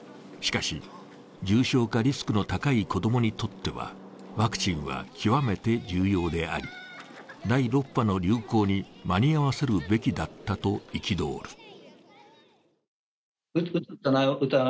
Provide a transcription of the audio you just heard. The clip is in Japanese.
しかし、重症化リスクの高い子供にとっては、ワクチンは極めて重要であり、第６波の流行に間に合わせるべきだったと憤る。